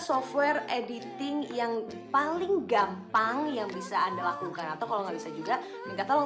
software editing yang paling gampang yang bisa anda lakukan atau kalau nggak bisa juga minta tolong